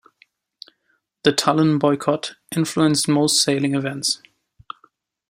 The Tallinn boycott influenced most sailing events.